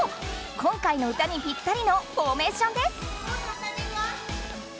今回の歌にピッタリのフォーメーションです！